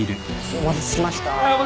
お待たせしました！